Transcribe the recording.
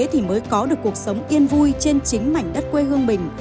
thì mới có được cuộc sống yên vui trên chính mảnh đất quê hương mình